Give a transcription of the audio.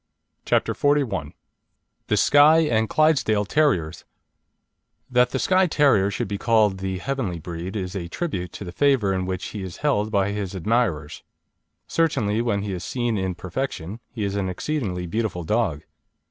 CHAPTER XLI THE SKYE, AND CLYDESDALE TERRIERS That the Skye Terrier should be called "the Heavenly Breed" is a tribute to the favour in which he is held by his admirers. Certainly when he is seen in perfection he is an exceedingly beautiful dog.